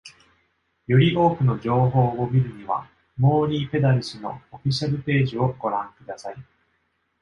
より多くの情報を見るにはモーリーペダルスのオフィシャルページをご覧ください。